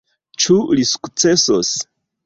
Ĉu li sukcesos?